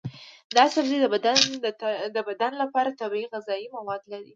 دا سبزی د بدن لپاره طبیعي غذایي مواد لري.